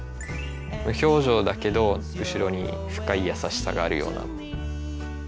無表情だけど後ろに深い優しさがあるような。